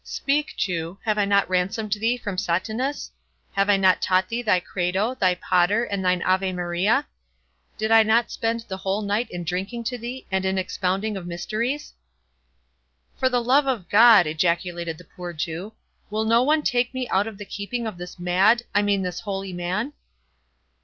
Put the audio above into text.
Speak, Jew—have I not ransomed thee from Sathanas?—have I not taught thee thy 'credo', thy 'pater', and thine 'Ave Maria'?—Did I not spend the whole night in drinking to thee, and in expounding of mysteries?" "For the love of God!" ejaculated the poor Jew, "will no one take me out of the keeping of this mad—I mean this holy man?"